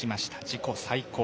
自己最高。